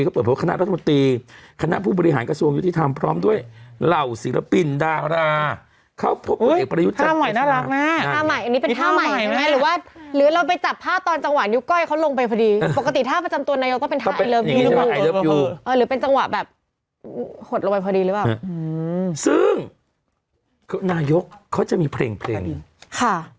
หลบหลบขดลงประดีหรือเปล่าหื้อซึ่งคือนายกเขาจะมีเพลงค่ะ